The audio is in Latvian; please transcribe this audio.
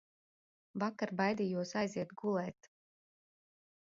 Vakar baidījos aiziet gulēt.